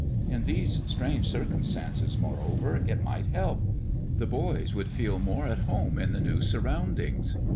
In these strange circumstances, moreover, it might help : the boys would feel more at home in the new surroundings.